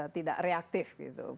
tidak reaktif gitu